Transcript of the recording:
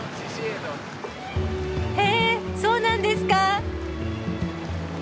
へえそうなんですか。